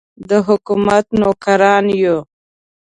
د حکومت نوکران یو.